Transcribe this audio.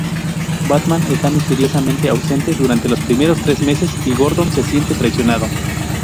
Batman está misteriosamente ausente durante los primeros tres meses, y Gordon se siente traicionado.